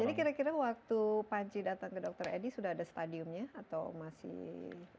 jadi kira kira waktu panji datang ke dr eddy sudah ada stadiumnya atau masih